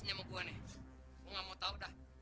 sama gue nih lu gak mau tau dah